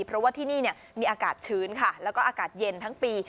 เพราะว่าที่นี่มีอากาศชื้นค่ะแล้วก็อากาศเย็นทั้งปี